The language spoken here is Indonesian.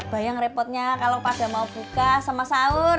bayang repotnya kalau pada mau buka sama sahur